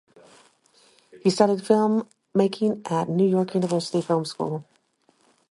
He studied filmmaking at New York University film school.